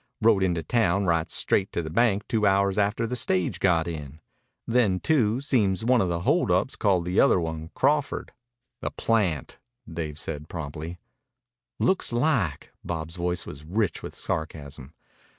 Rode into town right straight to the bank two hours after the stage got in. Then, too, seems one of the hold ups called the other one Crawford." "A plant," said Dave promptly. "Looks like." Bob's voice was rich with sarcasm.